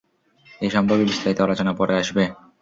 এ সম্পর্কে বিস্তারিত আলোচনা পরে আসবে।